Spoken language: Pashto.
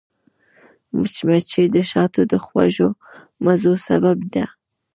مچمچۍ د شاتو د خوږو مزو سبب ده